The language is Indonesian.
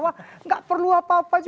enggak perlu apa apa juga